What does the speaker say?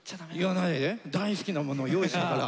大好きなもの用意したから。